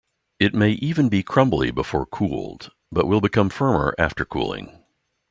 It may even be crumbly before cooled, but will become firmer after cooling.